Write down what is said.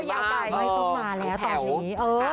ไม่ต้องมาแล้วตอนนี้